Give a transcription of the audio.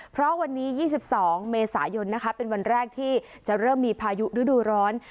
เพราะวันนี้๒๒เมษายนเป็นวันแรกที่จะเริ่มมีพายุฤดูร้อน